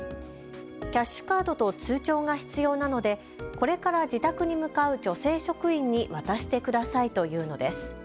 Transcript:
キャッシュカードと通帳が必要なのでこれから自宅に向かう女性職員に渡してくださいというのです。